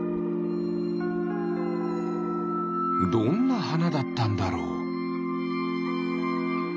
どんなはなだったんだろう？